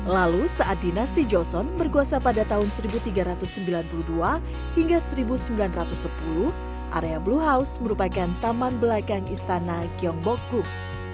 lalu saat dinasti joson berkuasa pada tahun seribu tiga ratus sembilan puluh dua hingga seribu sembilan ratus sepuluh area blue house merupakan taman belakang istana gyeongbokgung